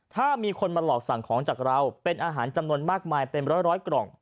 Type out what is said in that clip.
ถ้ามีคนมาหลอกสั่งของจากเราเป็นอาหารจำนวนมากมายเป็นร้อยกล่อง